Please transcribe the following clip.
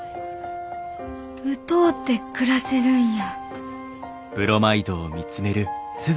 歌うて暮らせるんや。